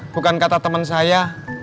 bukan kata temen saya